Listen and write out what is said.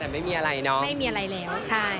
ไม่มีอะไรน้องไม่มีอะไรแล้วใช่